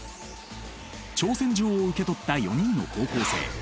挑戦状を受け取った４人の高校生。